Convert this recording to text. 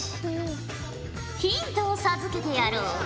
ヒントを授けてやろう。